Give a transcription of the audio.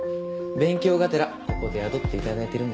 勉強がてらここで雇って頂いてるんです。